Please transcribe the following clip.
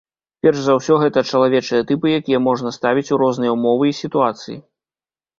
Перш за ўсё, гэта чалавечыя тыпы, якія можна ставіць у розныя ўмовы і сітуацыі.